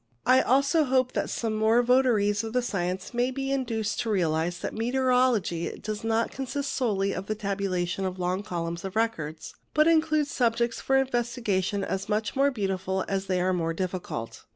I also hope that some more votaries of the science may be induced to realize that meteorology does not consist solely of the tabulation of long columns of records, but includes subjects for investigation as much more beautiful as they are more difificult.